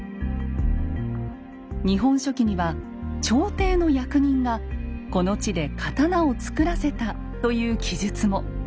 「日本書紀」には朝廷の役人がこの地で刀を作らせたという記述も。